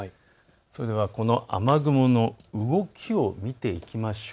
ではこの雨雲の動きを見ていきましょう。